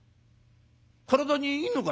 体にいいのか？』